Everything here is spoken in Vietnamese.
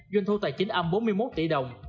doanh thu tài chính âm bốn mươi một tỷ đồng